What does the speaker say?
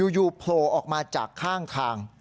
โผล่ออกมาจากข้างทาง